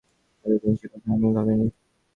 এতদিন সে কথা আমি ভাবি নি।